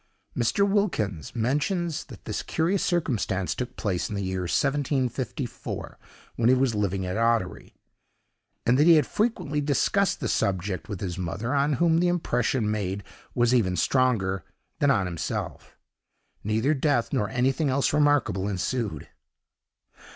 Mr. Wilkins mentions that this curious circumstance took place in the year 1754, when he was living at Ottery; and that he had frequently discussed the subject with his mother, on whom the impression made was even stronger than on himself. Neither death nor anything else remarkable ensued.